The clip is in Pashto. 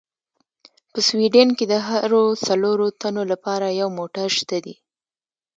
په سویډن کې د هرو څلورو تنو لپاره یو موټر شته دي.